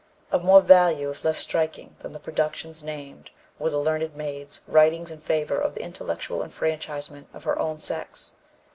Of more value, if less striking, than the productions named were the "Learned Maid's" writings in favor of the intellectual enfranchisement of her own sex.